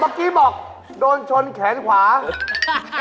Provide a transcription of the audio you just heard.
ครับขนบ้านไอ้นี่แขนซ้าย